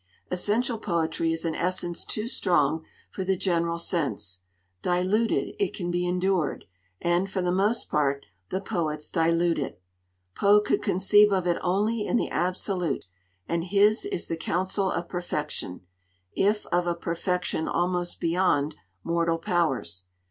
Essential poetry is an essence too strong for the general sense; diluted, it can be endured; and, for the most part, the poets dilute it. Poe could conceive of it only in the absolute; and his is the counsel of perfection, if of a perfection almost beyond mortal powers.